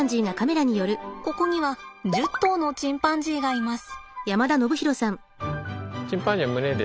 ここには１０頭のチンパンジーがいます。